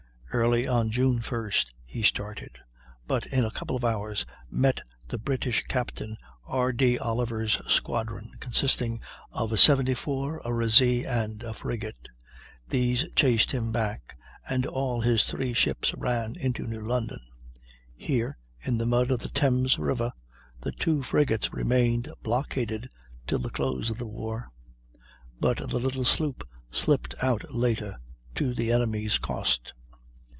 Early on June 1st he started; but in a couple of hours met the British Captain R. D. Oliver's squadron, consisting of a 74, a razee, and a frigate. These chased him back, and all his three ships ran into New London. Here, in the mud of the Thames river, the two frigates remained blockaded till the close of the war; but the little sloop slipped out later, to the enemy's cost.